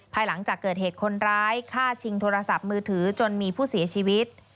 หลังจากเกิดเหตุคนร้ายฆ่าชิงโทรศัพท์มือถือจนมีผู้เสียชีวิต